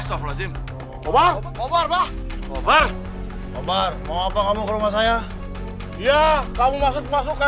obat obat obat obat obat mau apa kamu ke rumah saya ya kamu masuk masuk